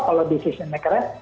kalau decision makernya